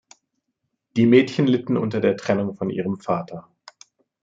Die Mädchen litten unter der Trennung von ihrem Vater.